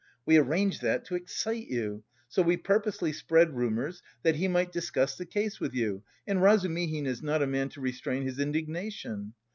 We arranged that to excite you, so we purposely spread rumours, that he might discuss the case with you, and Razumihin is not a man to restrain his indignation.